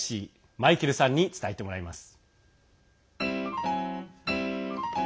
マイケルさんに伝えてもらいます。